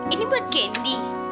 ini buat candy